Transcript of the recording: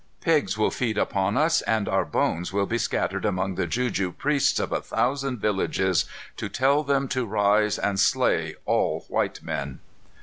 Pigs will feed upon us, and our bones will be scattered among the juju priests of a thousand villages to tell them to rise and slay all white men."